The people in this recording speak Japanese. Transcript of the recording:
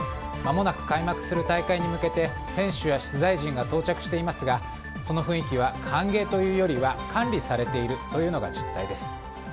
まもなく開幕する大会に向けて選手や取材陣が到着していますがその雰囲気は歓迎というよりは管理されているというのが実態です。